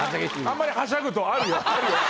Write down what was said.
あんまりはしゃぐとあるよあるよ。